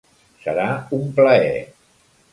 Serà un plaer.